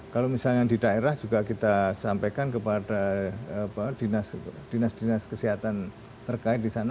kalau misalnya di daerah juga kita sampaikan kepada dinas dinas kesehatan terkait di sana